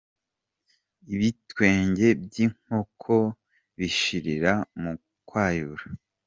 Ibitwenge by’inkoko bishirira mu kwayura.